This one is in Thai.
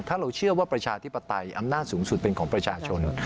ถ้าเราเชื่อว่าประชาธิปไตยอำนาจสูงสุดเป็นของประชาชน